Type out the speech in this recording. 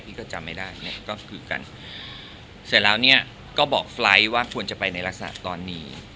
ก็จำไม่ได้เนี่ยก็คือกันเสร็จแล้วเนี่ยก็บอกไฟล์ทว่าควรจะไปในลักษณะตอนนี้